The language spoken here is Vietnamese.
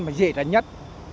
mà dễ tránh nhất